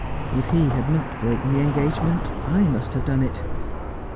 If he had not broken the engagement I must have done it.